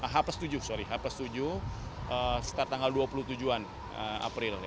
h tujuh sorry h plus tujuh setelah tanggal dua puluh tujuh an april